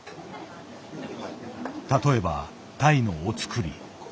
例えばタイのお造り。